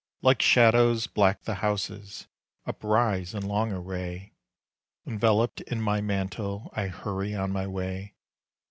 Like shadows black the houses Uprise in long array. Enveloped in my mantle I hurry on my way.